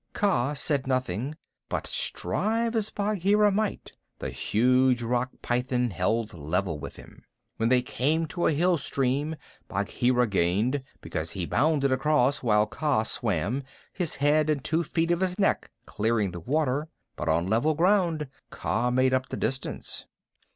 Kaa said nothing, but, strive as Bagheera might, the huge Rock python held level with him. When they came to a hill stream, Bagheera gained, because he bounded across while Kaa swam, his head and two feet of his neck clearing the water, but on level ground Kaa made up the distance.